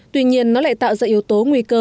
tuy nhiên nó lại tạo ra yếu tố nguy cơ